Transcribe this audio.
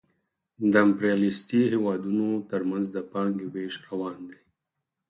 د امپریالیستي هېوادونو ترمنځ د پانګې وېش روان دی